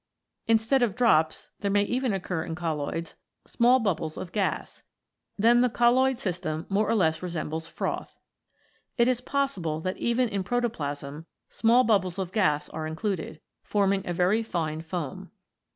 Instead of drops there may even occur in colloids small bubbles of gas. Then the colloid system more or less resembles froth. It is possible that even in protoplasm small bubbles of gas are included, forming a very fine foam.